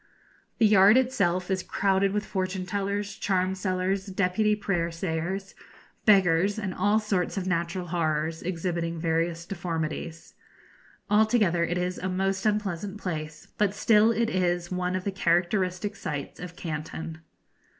The yard itself is crowded with fortune tellers, charm sellers, deputy prayer sayers, beggars, and all sorts of natural horrors, exhibiting various deformities. Altogether it is a most unpleasant place, but still it is one of the characteristic sights of Canton.